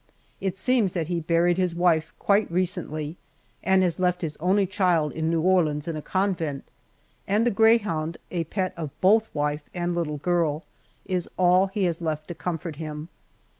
It seems that he buried his wife quite recently, and has left his only child in New Orleans in a convent, and the greyhound, a pet of both wife and little girl, is all he has left to comfort him.